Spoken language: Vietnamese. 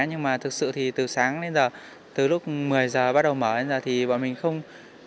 nhưng mà thực sự thì từ sáng đến giờ từ lúc một mươi giờ bắt đầu mở ra thì bọn mình không